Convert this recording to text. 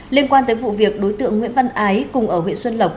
liên quan tới vụ việc đối tượng nguyễn văn ái cùng ở huyện xuân lộc